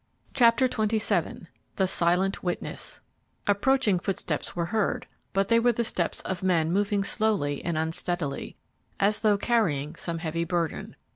CHAPTER XXVII THE SILENT WITNESS Approaching footsteps were heard, but they were the steps of men moving slowly and unsteadily, as though carrying some heavy burden.